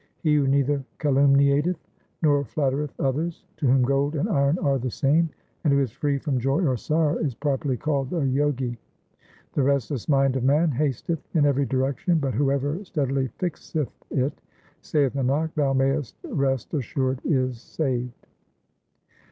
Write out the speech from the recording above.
He who neither calumniateth nor flattereth others, to whom gold and iron are the same, And who is free from joy or sorrow, is properly called a Jogi. The restless mind of man hasteth in every direction, but whoever steadily fixeth it, Saith Nanak, thou mayest rest assured is saved.